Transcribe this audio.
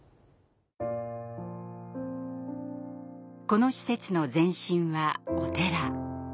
この施設の前身はお寺。